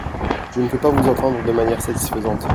Je ne peux pas vous entendre de manière satisfaisante.